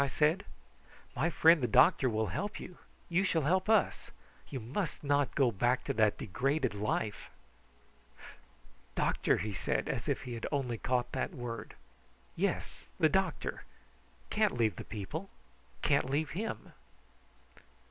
I said. "My friend the doctor will help you. You shall help us. You must not go back to that degraded life." "Doctor!" he said, as if he had only caught that word. "Yes, the doctor. Can't leave the people can't leave him."